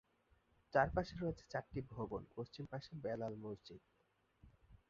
চারপাশে রয়েছে চারটি ভবন পশ্চিম পাশে বেলাল মসজিদ।